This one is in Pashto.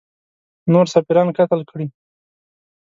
نور سفیران قتل کړي.